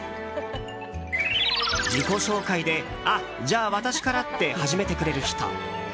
自己紹介で「あっじゃあ私から」って始めてくれる人。